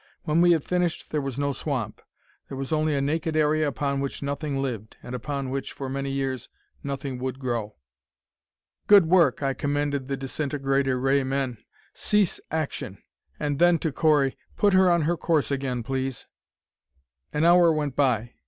When we had finished there was no swamp: there was only a naked area upon which nothing lived, and upon which, for many years, nothing would grow. "Good work," I commended the disintegrator ray men. "Cease action." And then, to Correy, "Put her on her course again, please." An hour went by.